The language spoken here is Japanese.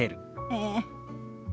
ええ。